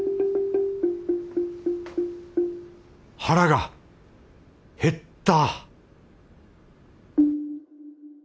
腹が減った